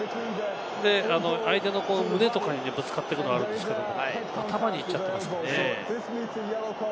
相手の胸とかにぶつかっていくのはあるんですけれども、頭に行っちゃっていますよね。